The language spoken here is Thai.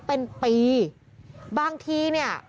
เป็นปีบางทีเนี่ย